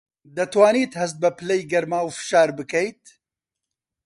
دەتوانیت هەست بە پلەی گەرما و فشار بکەیت؟